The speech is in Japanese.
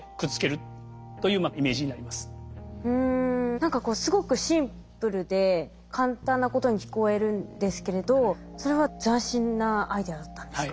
何かこうすごくシンプルで簡単なことに聞こえるんですけれどそれは斬新なアイデアだったんですか？